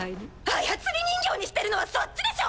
操り人形にしてるのはそっちでしょ！